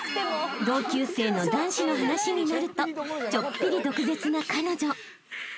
［同級生の男子の話になるとちょっぴり毒舌な彼女］